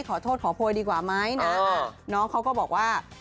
ขอโทษขอโพยดีกว่าไหมนะน้องเขาก็บอกว่า